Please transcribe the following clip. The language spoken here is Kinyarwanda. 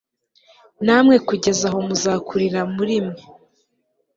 namwe kugeza aho muzakurira muri mwe